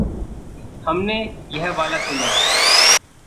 हमने यह वाला चुना।